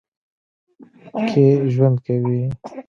کښې ژؤند کوي